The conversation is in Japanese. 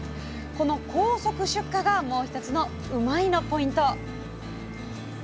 この高速出荷がもう１つのうまいッ！のポイント！